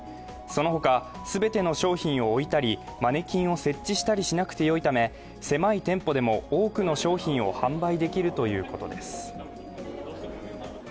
その他、全ての商品を置いたりマネキンを設置したりしなくてよいため、狭い店舗でも多くの商品を販売できるということです。